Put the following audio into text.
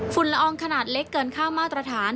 ละอองขนาดเล็กเกินค่ามาตรฐาน